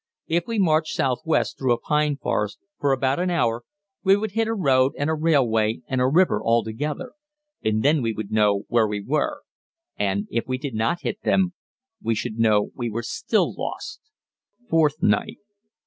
If we marched southwest through a pine forest for about an hour we would hit a road and a railway and a river all together, and then we would know where we were; and if we did not hit them, we should know we were still lost. _Fourth Night.